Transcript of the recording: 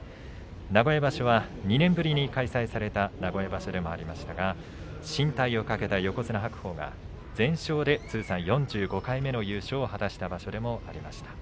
名古屋場所は２年ぶりに開催された名古屋場所でもありましたが進退を懸けた横綱白鵬が全勝で通算４５回目の優勝を果たした場所でもありました。